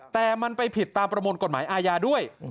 แต่มันไปผิดตามประมวลกฎหมายอาญาด้วย